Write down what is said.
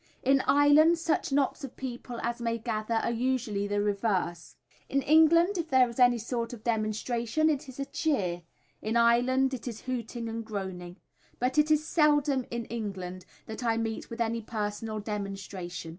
In Ireland such knots of people as may gather are usually the reverse. In England, if there is any sort of demonstration, it is a cheer; in Ireland it is hooting and groaning. But it is seldom, in England, that I meet with any personal demonstration.